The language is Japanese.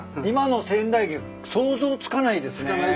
今の仙台駅想像つかないですね。